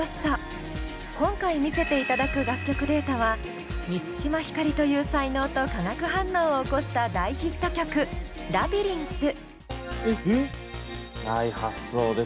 今回見せていただく楽曲データは満島ひかりという才能と化学反応を起こした大ヒット曲「ラビリンス」。